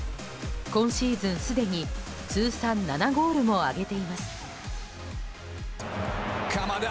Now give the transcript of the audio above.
今シーズン、すでに通算７ゴールも挙げています。